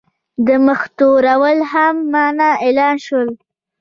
د مخ تورول هم منع اعلان شول.